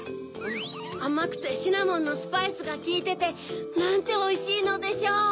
あまくてシナモンのスパイスがきいててなんておいしいのでしょう！